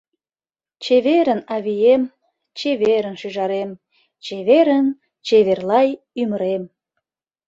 Чеверын, авием, чеверын, шӱжарем, Чеверын, чевер-лай ӱмырем!